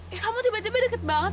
ya kamu tiba tiba deket banget